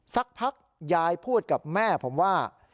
สักพักยายพูดกับแม่ผมว่า